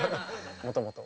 もともと。